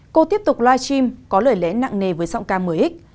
cô tiếp tục live stream có lời lẽ nặng nề với giọng ca mới ích